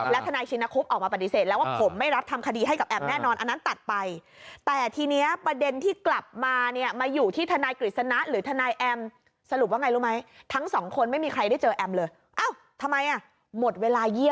แล้วธนายชินคุบออกมาปฏิเสธแล้วว่า